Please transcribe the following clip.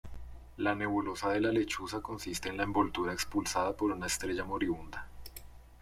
La nebulosa de la Lechuza consiste en la envoltura expulsada por una estrella moribunda.